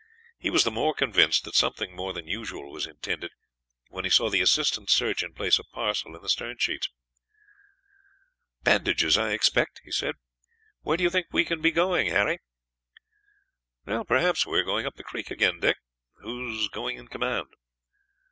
He was the more convinced that something more than usual was intended when he saw the assistant surgeon place a parcel in the stern sheets. "Bandages, I expect," he said. "Where do you think we can be going, Harry?" "Perhaps you are going up the creek again, Dick. Who's going in command?"